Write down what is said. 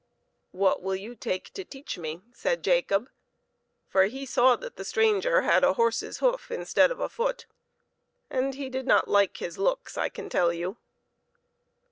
" What will you take to teach me ?" said Jacob ; for he saw that the stranger had a horse's hoof instead of a foot, and he did not like his looks, I can tell you.